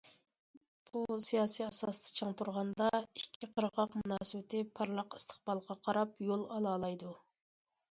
بۇ سىياسىي ئاساستا چىڭ تۇرغاندا، ئىككى قىرغاق مۇناسىۋىتى پارلاق ئىستىقبالغا قاراپ يول ئالالايدۇ.